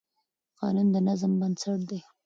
قانون د نظم بنسټ دی.